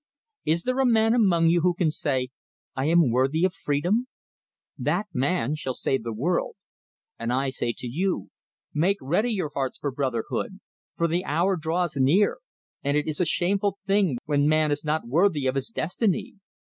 "Is there a man among you who can say, I am worthy of freedom? That man shall save the world. And I say to you: Make ready your hearts for brotherhood; for the hour draws near, and it is a shameful thing when man is not worthy of his destiny.